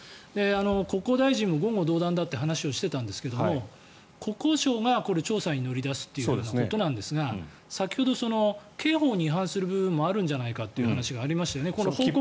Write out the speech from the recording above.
国交大臣も言語道断だという話をしていたんですが国交省が調査に乗り出すということなんですが先ほど、刑法に違反する部分もあるんじゃないかという話がありましたね。